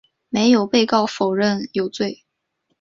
没有被告否认有罪。